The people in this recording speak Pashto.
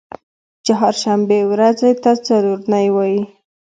چهارشنبې ورځی ته څلور نۍ وایی